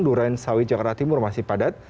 durensawi jakarta timur masih padat